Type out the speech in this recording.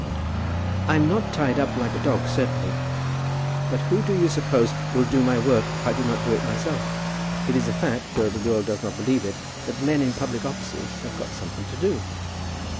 "I'm not tied up like a dog, certainly; but who do you suppose will do my work if I do not do it myself? It is a fact, though the world does not believe it, that men in public offices have got something to do."